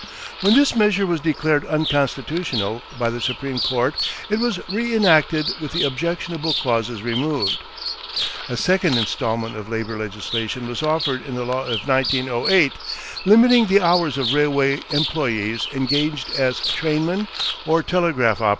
When this measure was declared unconstitutional by the Supreme Court it was reënacted with the objectionable clauses removed. A second installment of labor legislation was offered in the law of 1908 limiting the hours of railway employees engaged as trainmen or telegraph operators.